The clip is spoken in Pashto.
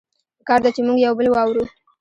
پکار ده چې مونږه يو بل واورو